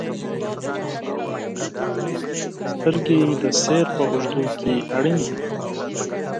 • سترګې د سیر په اوږدو کې اړینې دي.